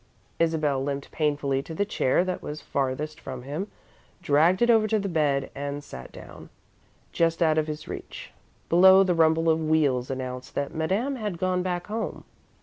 Isabel limped painfully to the chair that was farthest from him, dragged it over to the bed, and sat down just out of his reach. Below, the rumble of wheels announced that Madame had gone back home.